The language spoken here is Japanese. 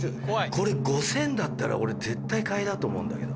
これ５０００万円だったら俺絶対買いだと思うんだけど。